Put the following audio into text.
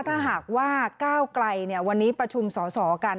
ถ้าหากว่าก้าวไกลวันนี้ประชุมสอสอกัน